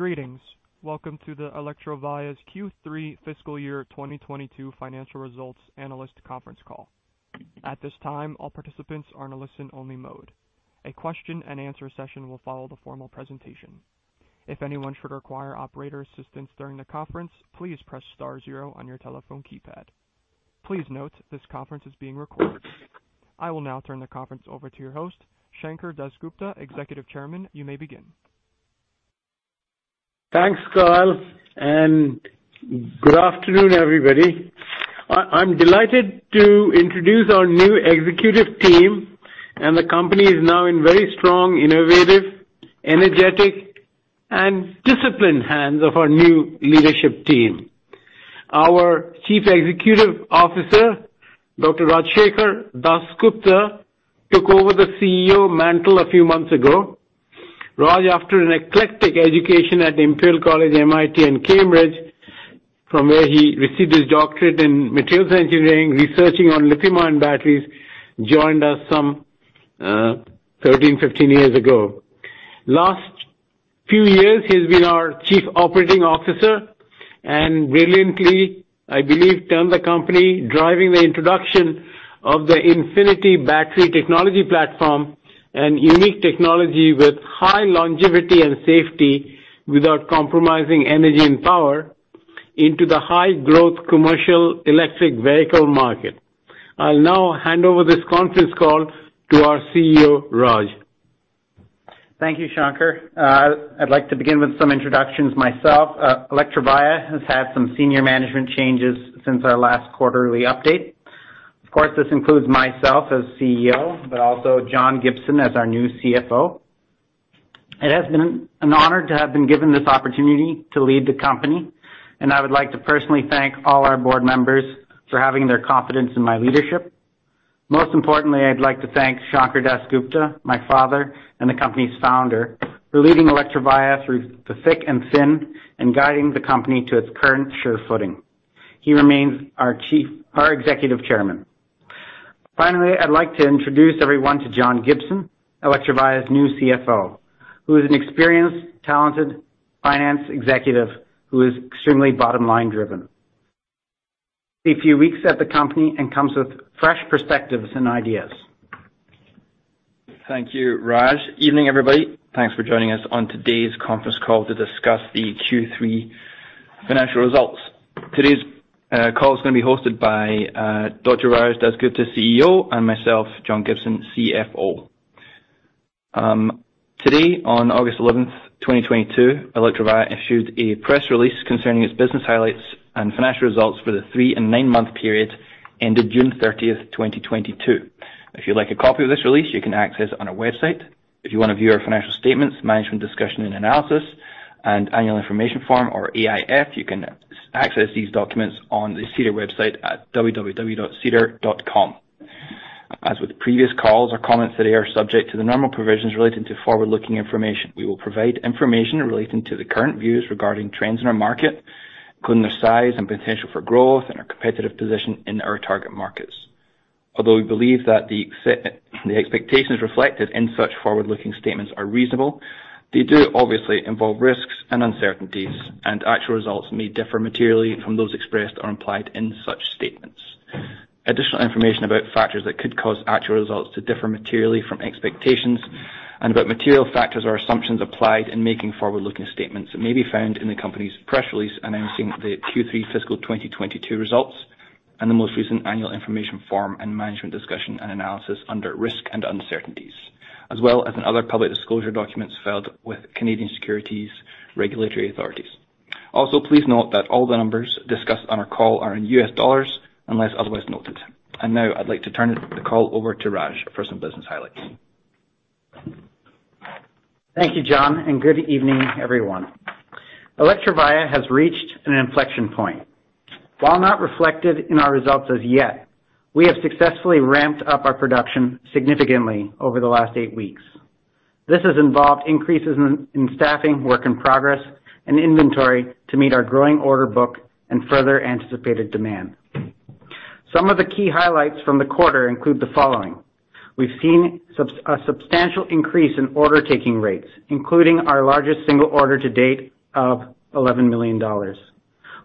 Greetings. Welcome to Electrovaya's Q3 Fiscal Year 2022 financial results analyst conference call. At this time, all participants are in a listen-only mode. A question-and-answer session will follow the formal presentation. If anyone should require operator assistance during the conference, please press star zero on your telephone keypad. Please note, this conference is being recorded. I will now turn the conference over to your host, Sankar Das Gupta, Executive Chairman. You may begin. Thanks, Kyle, and good afternoon, everybody. I'm delighted to introduce our new executive team and the company is now in very strong, innovative, energetic and disciplined hands of our new leadership team. Our Chief Executive Officer, Dr. Rajshekar DasGupta, took over the CEO mantle a few months ago. Raj, after an eclectic education at Imperial College, MIT and Cambridge, from where he received his doctorate in materials engineering, researching on lithium-ion batteries, joined us some 13 to 15 years ago. Last few years, he's been our Chief Operating Officer and brilliantly, I believe, turned the company, driving the introduction of the Infinity Battery Technology Platform and unique technology with high longevity and safety without compromising energy and power into the high growth commercial electric vehicle market. I'll now hand over this conference call to our CEO, Raj. Thank you, Sankar. I'd like to begin with some introductions myself. Electrovaya has had some senior management changes since our last quarterly update. Of course, this includes myself as CEO, but also John Gibson as our new CFO. It has been an honor to have been given this opportunity to lead the company, and I would like to personally thank all our board members for having their confidence in my leadership. Most importantly, I'd like to thank Sankar Das Gupta, my father, and the company's founder, for leading Electrovaya through the thick and thin and guiding the company to its current sure footing. He remains our Executive Chairman. Finally, I'd like to introduce everyone to John Gibson, Electrovaya's new CFO, who is an experienced, talented finance executive who is extremely bottom line driven. A few weeks at the company and comes with fresh perspectives and ideas. Thank you, Raj. Evening, everybody. Thanks for joining us on today's conference call to discuss the Q3 financial results. Today's call's gonna be hosted by Dr. Raj DasGupta, CEO, and myself, John Gibson, CFO. Today on August eleventh, 2022, Electrovaya issued a press release concerning its business highlights and financial results for the three and nine-month period ended June 30th, 2022. If you'd like a copy of this release, you can access it on our website. If you wanna view our financial statements, management, discussion, and analysis and annual information form or AIF, you can access these documents on the SEDAR website at www.sedar.com. As with previous calls or comments today are subject to the normal provisions relating to forward-looking information. We will provide information relating to the current views regarding trends in our market, including their size and potential for growth and our competitive position in our target markets. Although we believe that the expectations reflected in such forward-looking statements are reasonable, they do obviously involve risks and uncertainties, and actual results may differ materially from those expressed or implied in such statements. Additional information about factors that could cause actual results to differ materially from expectations and about material factors or assumptions applied in making forward-looking statements may be found in the company's press release announcing the Q3 fiscal 2022 results and the most recent annual information form and management discussion and analysis under risk and uncertainties, as well as in other public disclosure documents filed with Canadian Securities Administrators. Also, please note that all the numbers discussed on our call are in U.S. dollars unless otherwise noted. Now I'd like to turn the call over to Raj for some business highlights. Thank you, John, and good evening, everyone. Electrovaya has reached an inflection point. While not reflected in our results as yet, we have successfully ramped up our production significantly over the last eight weeks. This has involved increases in staffing, work in progress, and inventory to meet our growing order book and further anticipated demand. Some of the key highlights from the quarter include the following. We've seen a substantial increase in order-taking rates, including our largest single order to date of $11 million.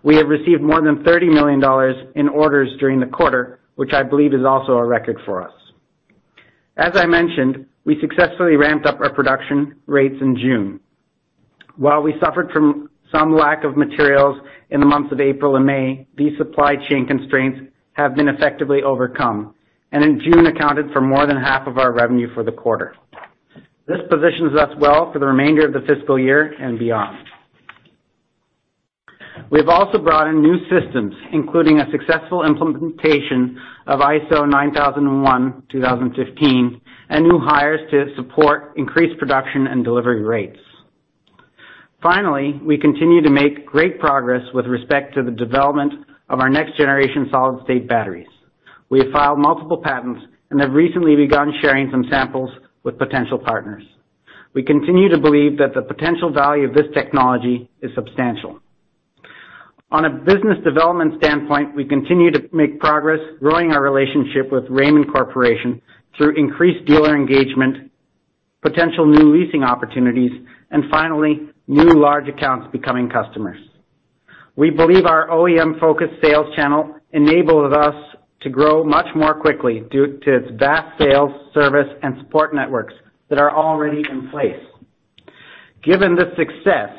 We have received more than $30 million in orders during the quarter, which I believe is also a record for us. As I mentioned, we successfully ramped up our production rates in June. While we suffered from some lack of materials in the months of April and May, these supply chain constraints have been effectively overcome. In June, accounted for more than half of our revenue for the quarter. This positions us well for the remainder of the fiscal year and beyond. We've also brought in new systems, including a successful implementation of ISO 9001:2015, and new hires to support increased production and delivery rates. Finally, we continue to make great progress with respect to the development of our next generation solid-state batteries. We have filed multiple patents and have recently begun sharing some samples with potential partners. We continue to believe that the potential value of this technology is substantial. On a business development standpoint, we continue to make progress growing our relationship with Raymond Corporation through increased dealer engagement, potential new leasing opportunities, and finally, new large accounts becoming customers. We believe our OEM-focused sales channel enabled us to grow much more quickly due to its vast sales, service, and support networks that are already in place. Given this success,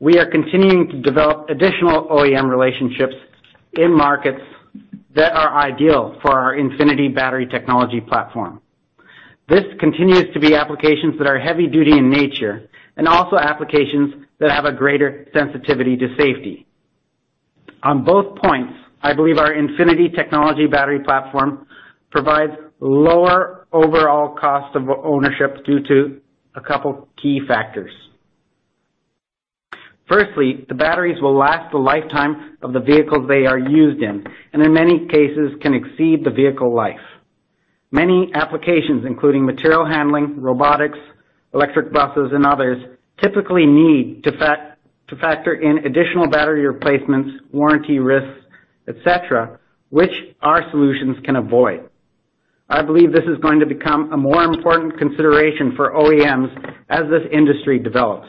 we are continuing to develop additional OEM relationships in markets that are ideal for our Infinity Battery Technology Platform. This continues to be applications that are heavy duty in nature, and also applications that have a greater sensitivity to safety. On both points, I believe our Infinity Battery Technology Platform provides lower overall cost of ownership due to a couple key factors. Firstly, the batteries will last the lifetime of the vehicles they are used in, and in many cases can exceed the vehicle life. Many applications, including material handling, robotics, electric buses, and others, typically need to factor in additional battery replacements, warranty risks, et cetera, which our solutions can avoid. I believe this is going to become a more important consideration for OEMs as this industry develops.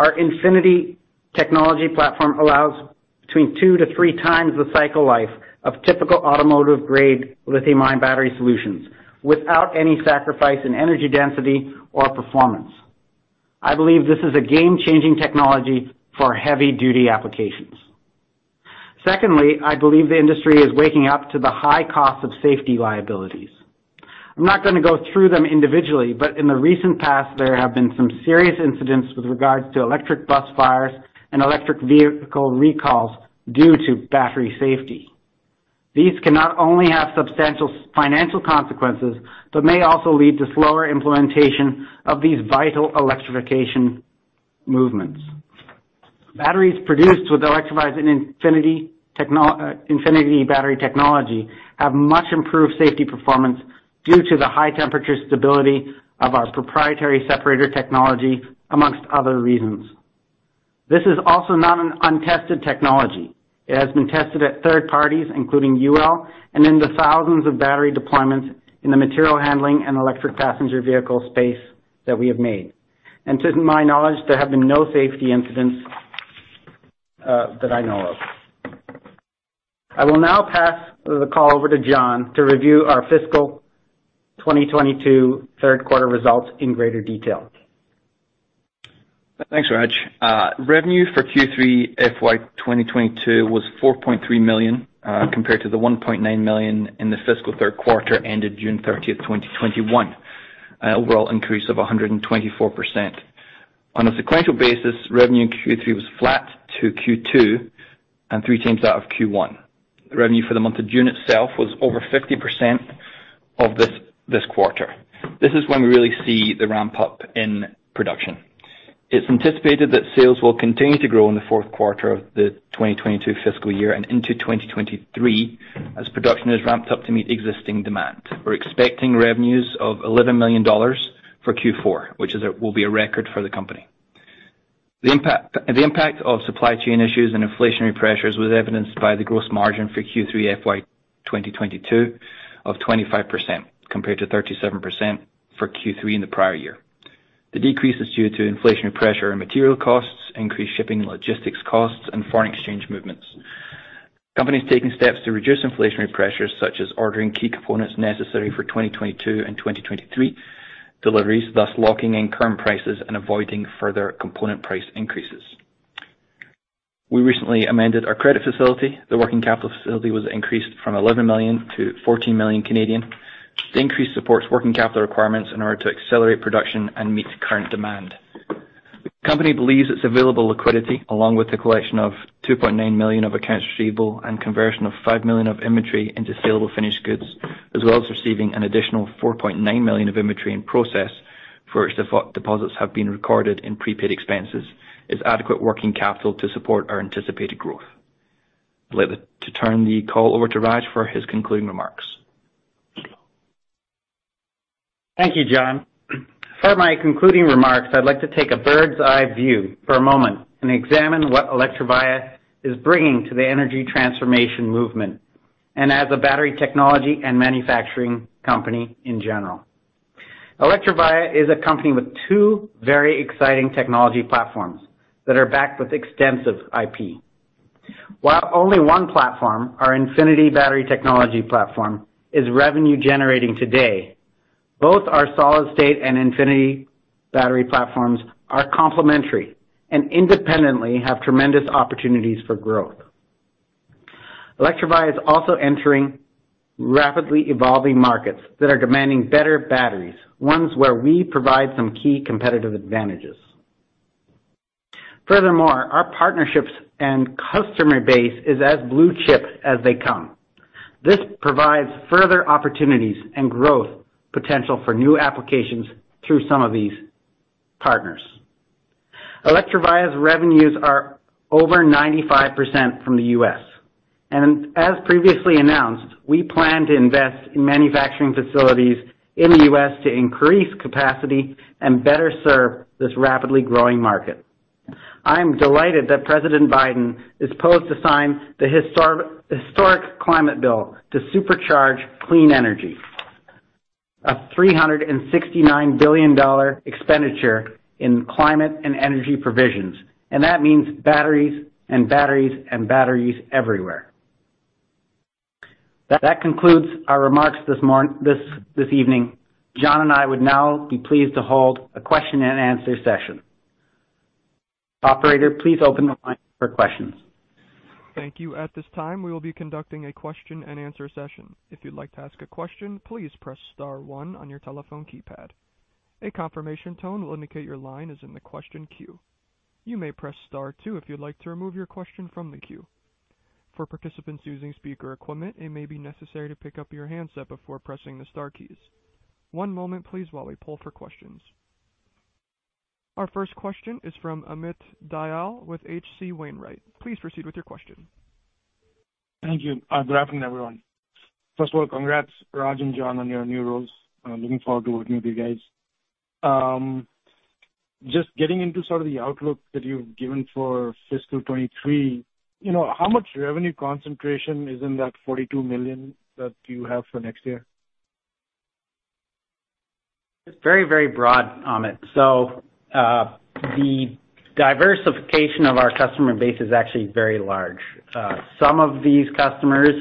Our Infinity technology platform allows between two to three times the cycle life of typical automotive-grade lithium-ion battery solutions without any sacrifice in energy density or performance. I believe this is a game-changing technology for heavy duty applications. Secondly, I believe the industry is waking up to the high cost of safety liabilities. I'm not gonna go through them individually, but in the recent past, there have been some serious incidents with regards to electric bus fires and electric vehicle recalls due to battery safety. These can not only have substantial financial consequences, but may also lead to slower implementation of these vital electrification movements. Batteries produced with Electrovaya's Infinity Battery Technology have much improved safety performance due to the high temperature stability of our proprietary separator technology, among other reasons. This is also not an untested technology. It has been tested at third parties, including UL, and in the thousands of battery deployments in the material handling and electric passenger vehicle space that we have made. To my knowledge, there have been no safety incidents that I know of. I will now pass the call over to John to review our fiscal 2022 third quarter results in greater detail. Thanks, Raj. Revenue for Q3 FY 2022 was $4.3 million, compared to the $1.9 million in the fiscal third quarter ended June 30, 2021, an overall increase of 124%. On a sequential basis, revenue in Q3 was flat to Q2 and three times that of Q1. Revenue for the month of June itself was over 50% of this quarter. This is when we really see the ramp up in production. It's anticipated that sales will continue to grow in the fourth quarter of the 2022 fiscal year and into 2023, as production has ramped up to meet existing demand. We're expecting revenues of $11 million for Q4, which will be a record for the company. The impact of supply chain issues and inflationary pressures was evidenced by the gross margin for Q3 FY 2022 of 25%, compared to 37% for Q3 in the prior year. The decrease is due to inflationary pressure and material costs, increased shipping and logistics costs, and foreign exchange movements. The Company is taking steps to reduce inflationary pressures, such as ordering key components necessary for 2022 and 2023 deliveries, thus locking in current prices and avoiding further component price increases. We recently amended our credit facility. The working capital facility was increased from 11 million to 14 million. The increase supports working capital requirements in order to accelerate production and meet current demand. The company believes its available liquidity, along with the collection of $2.9 million of accounts receivable and conversion of $5 million of inventory into saleable finished goods, as well as receiving an additional $4.9 million of inventory in process for which deposits have been recorded in prepaid expenses, is adequate working capital to support our anticipated growth. I'd like to turn the call over to Raj for his concluding remarks. Thank you, John. For my concluding remarks, I'd like to take a bird's eye view for a moment and examine what Electrovaya is bringing to the energy transformation movement and as a battery technology and manufacturing company in general. Electrovaya is a company with two very exciting technology platforms that are backed with extensive IP. While only one platform, our Infinity Battery Technology Platform, is revenue generating today, both our solid-state and Infinity Battery Technology Platforms are complementary and independently have tremendous opportunities for growth. Electrovaya is also entering rapidly evolving markets that are demanding better batteries, ones where we provide some key competitive advantages. Furthermore, our partnerships and customer base is as blue chip as they come. This provides further opportunities and growth potential for new applications through some of these partners. Electrovaya's revenues are over 95% from the U.S. As previously announced, we plan to invest in manufacturing facilities in the U.S. to increase capacity and better serve this rapidly growing market. I'm delighted that President Biden is poised to sign the historic climate bill to supercharge clean energy. $369 billion expenditure in climate and energy provisions. That means batteries and batteries and batteries everywhere. That concludes our remarks this evening. John and I would now be pleased to hold a question and answer session. Operator, please open the line for questions. Thank you. At this time, we will be conducting a question and answer session. If you'd like to ask a question, please press star one on your telephone keypad. A confirmation tone will indicate your line is in the question queue. You may press star two if you'd like to remove your question from the queue. For participants using speaker equipment, it may be necessary to pick up your handset before pressing the star keys. One moment please while we poll for questions. Our first question is from Amit Dayal with H.C. Wainwright. Please proceed with your question. Thank you. Good afternoon, everyone. First of all, congrats, Raj and John, on your new roles. I'm looking forward to working with you guys. Just getting into sort of the outlook that you've given for fiscal 2023, you know, how much revenue concentration is in that $42 million that you have for next year? It's very, very broad, Amit. The diversification of our customer base is actually very large. Some of these customers,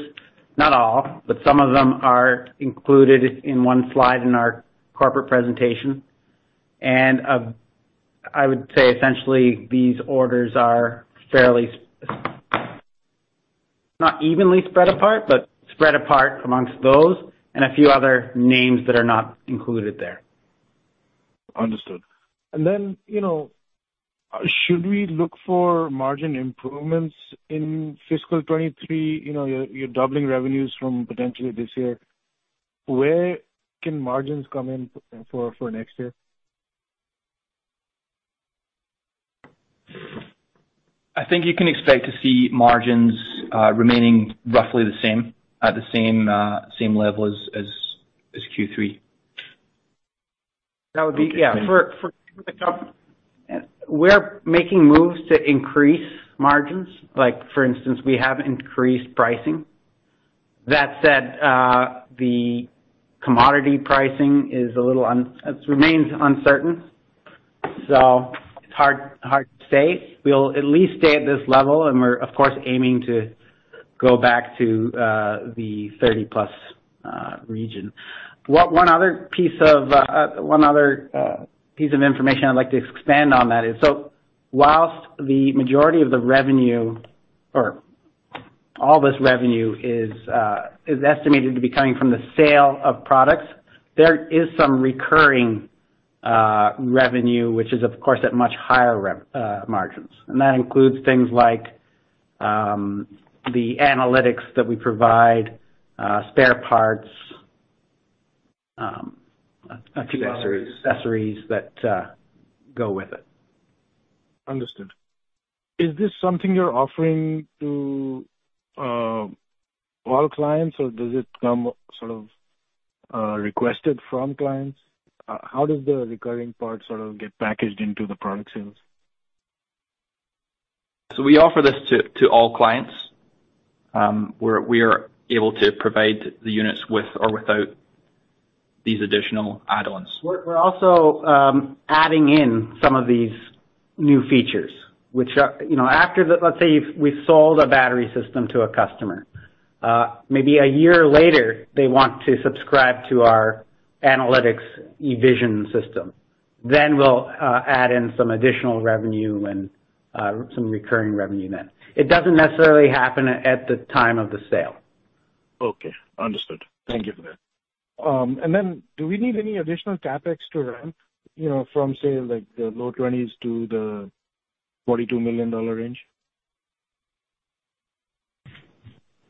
not all, but some of them are included in one slide in our corporate presentation. I would say, essentially, these orders are fairly, not evenly spread apart, but spread apart amongst those and a few other names that are not included there. Understood. You know, should we look for margin improvements in fiscal 2023? You know, you're doubling revenues from potentially this year. Where can margins come in for next year? I think you can expect to see margins remaining roughly the same, at the same level as Q3. Okay. Yeah. For the company, we're making moves to increase margins. Like, for instance, we have increased pricing. That said, the commodity pricing remains uncertain, so it's hard to say. We'll at least stay at this level, and we're of course aiming to go back to the 30+ region. One other piece of information I'd like to expand on, so whilst the majority of the revenue or all this revenue is estimated to be coming from the sale of products, there is some recurring revenue, which is of course at much higher margins. That includes things like the analytics that we provide, spare parts, accessories that go with it. Understood. Is this something you're offering to all clients, or does it come sort of requested from clients? How does the recurring part sort of get packaged into the product sales? We offer this to all clients. We are able to provide the units with or without these additional add-ons. We're also adding in some of these new features which are, you know. Let's say if we've sold a battery system to a customer, maybe a year later, they want to subscribe to our analytics EVISION system, then we'll add in some additional revenue and some recurring revenue then. It doesn't necessarily happen at the time of the sale. Okay, understood. Thank you for that. Do we need any additional CapEx to ramp, you know, from, say, like the low $20 million to the $42 million range?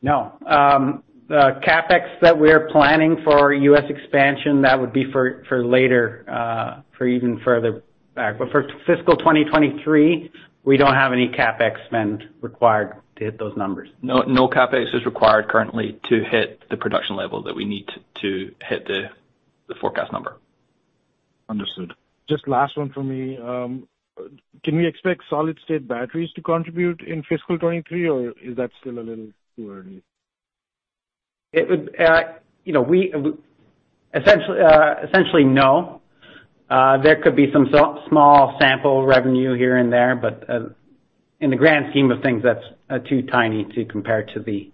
No. The CapEx that we're planning for U.S. expansion, that would be for later, for even further back. For fiscal 2023, we don't have any CapEx spend required to hit those numbers. No, no CapEx is required currently to hit the production level that we need to hit the forecast number. Understood. Just last one for me. Can we expect solid-state batteries to contribute in fiscal 2023, or is that still a little too early? It would, you know, essentially no. There could be some small sample revenue here and there, but in the grand scheme of things, that's too tiny to compare to the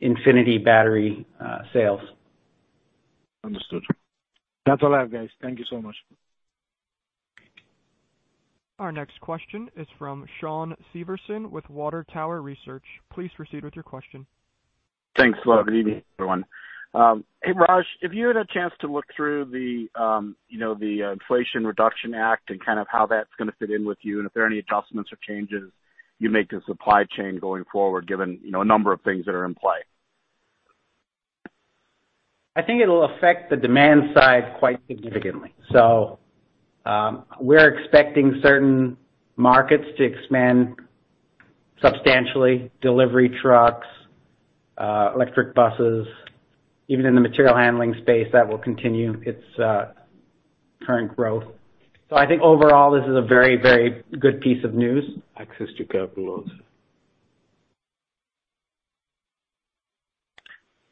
Infinity Battery sales. Understood. That's all I have, guys. Thank you so much. Our next question is from Shawn Severson with Water Tower Research. Please proceed with your question. Thanks. Good evening, everyone. Hey, Raj, if you had a chance to look through the, you know, the Inflation Reduction Act and kind of how that's gonna fit in with you and if there are any adjustments or changes you make to supply chain going forward, given, you know, a number of things that are in play? I think it'll affect the demand side quite significantly. We're expecting certain markets to expand substantially. Delivery trucks, electric buses, even in the material handling space, that will continue its current growth. I think overall, this is a very, very good piece of news. Access to capital.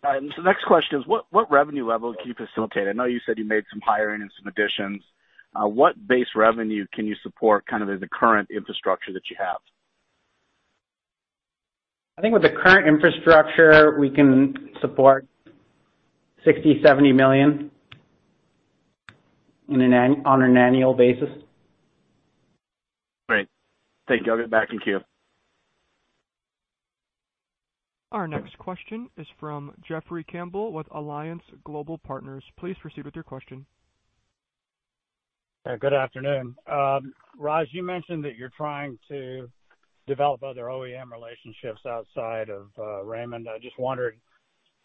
All right. Next question is what revenue level can you facilitate? I know you said you made some hiring and some additions. What base revenue can you support kind of in the current infrastructure that you have? I think with the current infrastructure, we can support $60 million-$70 million on an annual basis. Great. Thank you. I'll get back in queue. Our next question is from Jeffrey Campbell with Alliance Global Partners. Please proceed with your question. Yeah, good afternoon. Raj, you mentioned that you're trying to develop other OEM relationships outside of Raymond. I just wondered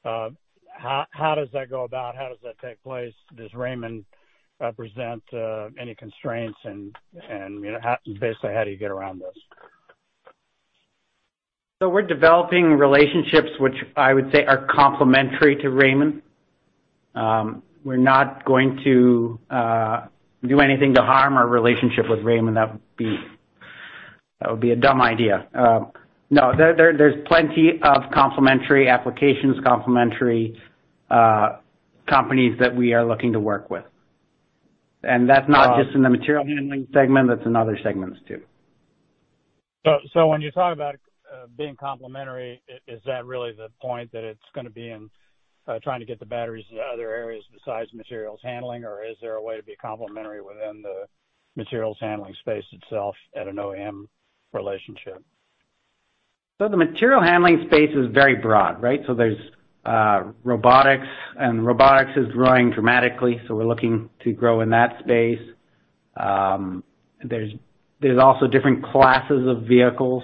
how does that go about? How does that take place? Does Raymond present any constraints and basically, how do you get around this? We're developing relationships which I would say are complementary to Raymond. We're not going to do anything to harm our relationship with Raymond. That would be a dumb idea. No. There's plenty of complementary applications, complementary companies that we are looking to work with. That's not just in the material handling segment, that's in other segments too. When you talk about being complementary, is that really the point that it's gonna be in trying to get the batteries into other areas besides materials handling or is there a way to be complementary within the materials handling space itself at an OEM relationship? The material handling space is very broad, right? There's robotics, and robotics is growing dramatically, so we're looking to grow in that space. There's also different classes of vehicles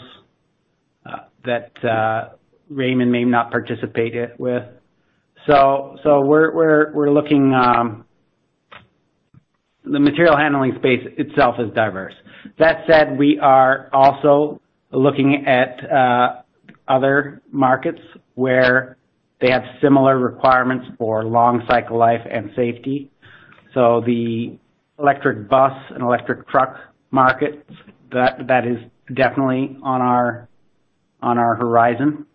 that Raymond may not participate it with. The material handling space itself is diverse. That said, we are also looking at other markets where they have similar requirements for long cycle life and safety. The electric bus and electric truck markets, that is definitely on our horizon.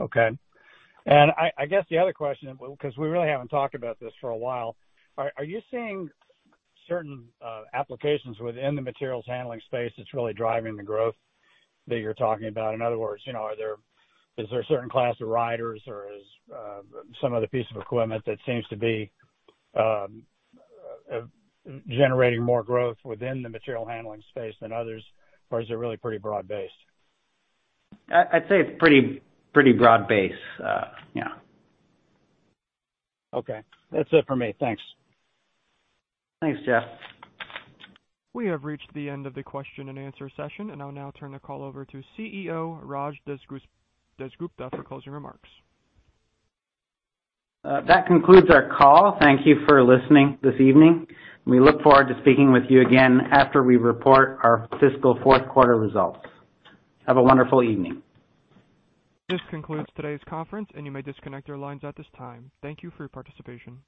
Okay. I guess the other question, well, 'cause we really haven't talked about this for a while. Are you seeing certain applications within the material handling space that's really driving the growth that you're talking about? In other words, you know, is there a certain class of riders or is some other piece of equipment that seems to be generating more growth within the material handling space than others, or is it really pretty broad-based? I'd say it's pretty broad-based, yeah. Okay. That's it for me. Thanks. Thanks, Jeff. We have reached the end of the question and answer session, and I'll now turn the call over to CEO Rajshekar DasGupta for closing remarks. That concludes our call. Thank you for listening this evening. We look forward to speaking with you again after we report our fiscal fourth quarter results. Have a wonderful evening. This concludes today's conference, and you may disconnect your lines at this time. Thank you for your participation.